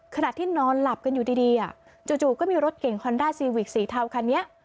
ขณะที่นอนหลับกันอยู่ดีจู่ก็มีรถเก่งฮอนด้าซีวิกสีเทาคันนี้